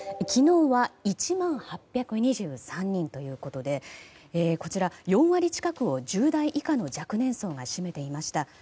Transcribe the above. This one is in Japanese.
昨日は１万８２３人ということでこちら、４割近くを１０代以下の若年層が占めていました。